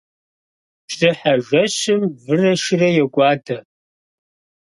Бжьыхьэ жэщым вырэ шырэ йокӀуадэ.